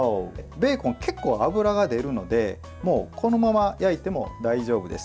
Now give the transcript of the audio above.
ベーコン、結構脂が出るのでこのまま焼いても大丈夫です。